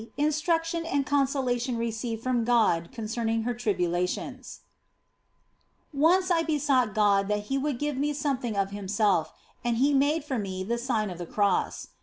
INSTRUCTION AND CONSOLATION RECEIVED FROM GOD CONCERNING HER TRIBULATIONS ONCE I besought God that He would give me something of Himself, and He made for me the sign of the Cross.